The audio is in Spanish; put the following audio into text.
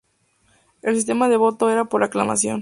El sistema de voto era por aclamación.